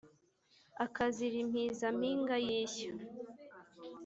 Akazira impiza Mpinga y'ishya.